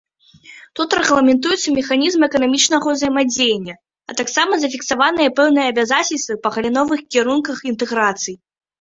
Тут рэгламентуюцца механізмы эканамічнага ўзаемадзеяння, а таксама зафіксаваныя пэўныя абавязацельствы па галіновых кірунках інтэграцыі.